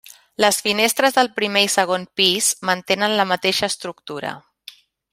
Les finestres del primer i segon pis mantenen la mateixa estructura.